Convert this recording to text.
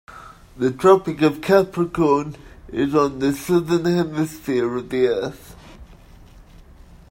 The Tropic of Capricorn is on the Southern Hemisphere of the earth.